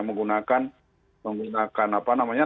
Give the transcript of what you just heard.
menggunakan apa namanya